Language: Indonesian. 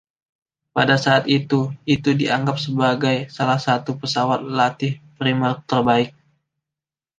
Pada saat itu, itu dianggap sebagai salah satu pesawat latih primer terbaik.